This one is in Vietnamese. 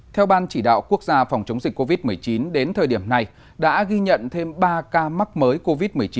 theo ban chỉ đạo quốc gia phòng chống dịch covid một mươi chín đến thời điểm này đã ghi nhận thêm ba ca mắc mới covid một mươi chín